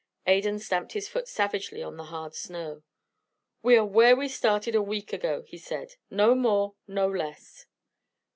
Adan stamped his foot savagely on the hard snow. "We are where we started a week ago," he said. "No more, no less."